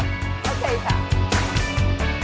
โอเคค่ะ